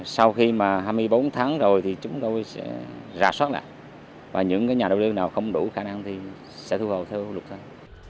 sau khi mà hai mươi bốn tháng rồi thì chúng tôi sẽ rạp soát lại và những cái nhà đầu tư nào không đủ khả năng thì sẽ thu hồi theo luật thôi